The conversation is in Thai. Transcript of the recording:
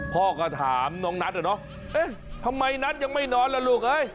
พ่อก็ถามน้องนัทอะเนาะเอ๊ะทำไมนัทยังไม่นอนล่ะลูกเอ้ย